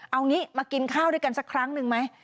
เอางี้มากินข้าวด้วยกันสักครั้งหนึ่งไหม